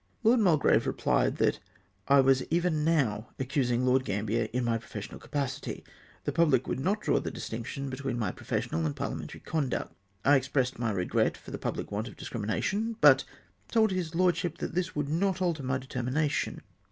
Lord Mulgrave rephed, that I was even now accus ing Lord Gambler in my professional capacity ; the public would not draw the distinction between my professional and parhamentary conduct. I expressed my regret for the pubhc want of discrimination, but told his lordship that this would not alter my deter mination.